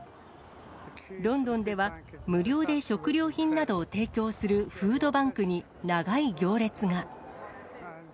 ロンドンでは、無料で食料品などを提供するフードバンクに長い行列が。